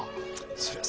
そりゃあ